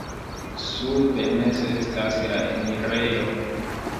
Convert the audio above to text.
Sube meze estas la enirejo.